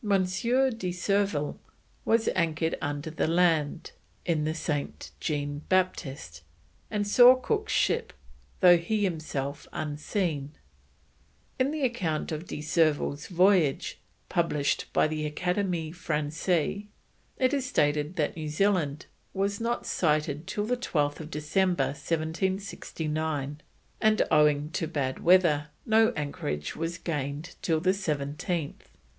de Surville was anchored under the land, in the Saint Jean Baptiste, and saw Cook's ship, though himself unseen. In the account of De Surville's voyage, published by the Academie Francaise, it is stated that New Zealand was not sighted till 12th December 1769, and owing to bad weather no anchorage was gained till 17th.